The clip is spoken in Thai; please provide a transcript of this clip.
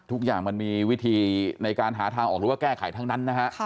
ทุกอย่างมันมีวิธีในการหาทางออกหรือว่าแก้ไขทั้งนั้นนะฮะ